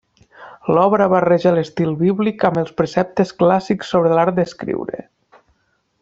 L'obra barreja l'estil bíblic amb els preceptes clàssics sobre l'art d'escriure.